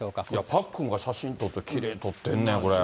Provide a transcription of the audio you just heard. パックンが写真撮って、きれいに撮ってんねん、これ。